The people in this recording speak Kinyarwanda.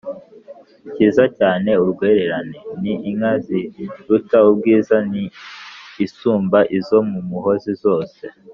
kiza cyane(urwererana); ni inka iziruta ubwiza ni isumba izo mu muhozi zose